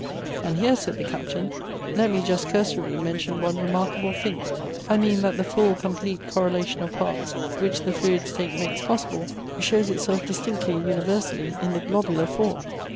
" And here," said the Captain, " let me just cursorily mention one remarkable thing, I mean, that the full, com ])lete correlation of parts which the fluid state makes possible, shows itself distinctly and universally in the globular fonn.